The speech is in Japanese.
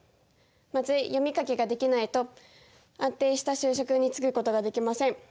まず読み書きができないと安定した就職に就くことができません。